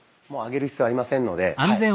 もう上げる必要ありませんのではい。